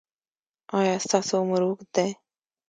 ایا ستاسو عمر اوږد دی؟